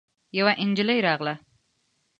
يوه نجلۍ راغله.